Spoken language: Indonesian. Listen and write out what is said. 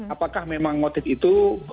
apakah memang motif itu